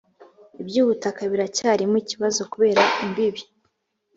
ibyubutaka biracyarimo ikibazo kubera imbibi